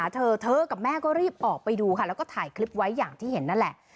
เธอกับแม่ก็รีบออกไปดูค่ะแล้วก็ถ่ายคลิปไว้อย่างที่เห็นนั่นแหละ